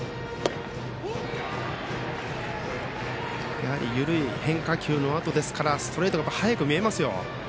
やはり緩い変化球のあとですからストレートが速く見えますよ。